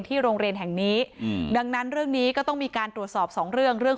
โรงเรียนแห่งนี้อืมดังนั้นเรื่องนี้ก็ต้องมีการตรวจสอบสองเรื่องเรื่อง